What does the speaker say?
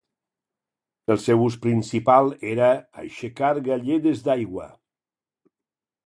El seu ús principal era aixecar galledes d'aigua.